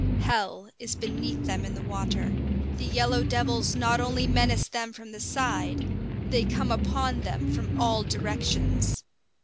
Hell is beneath them in the water! The yellow devils not only menace them from the side; they come upon them from all directions.